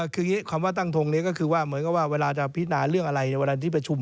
คือคำว่าตั้งทงนี้ก็คือว่าเวลาจะพิจารณาเรื่องอะไรในเวลาที่ประชุม